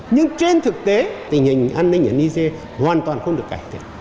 nhưng trên thực tế tình hình an ninh ở niger hoàn toàn không được cải thiện